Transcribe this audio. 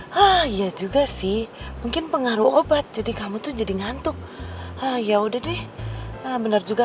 hai hah ya juga sih mungkin pengaruh obat jadi kamu tuh jadi ngantuk ya udah deh bener juga